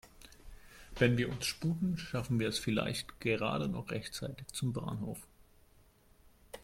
Wenn wir uns sputen, schaffen wir es vielleicht gerade noch rechtzeitig zum Bahnhof.